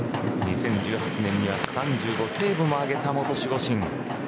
２０１８年には３５セーブも挙げた元守護神